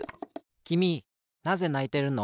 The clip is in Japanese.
きみなぜないてるの？